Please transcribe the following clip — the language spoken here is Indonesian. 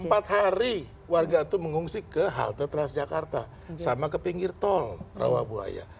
empat hari warga itu mengungsi ke halte transjakarta sama ke pinggir tol rawabuaya